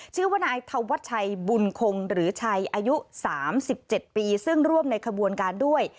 ชื่อว่านายธวัชชัยบุญคงหรือชัยอายุ๓๗ปีซึ่งร่วมในขบวนการด้วย